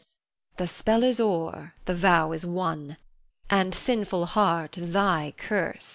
_ The spell is o'er, the vow is won, And, sinful heart, thy curse begun.